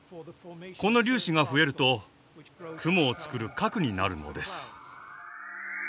この粒子が増えると雲を作る核になるのです。